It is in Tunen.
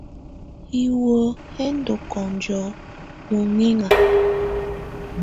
Hiwǝ́ hɛ́ ndɔ́ kɔnjɔ́ mɔŋɛŋa.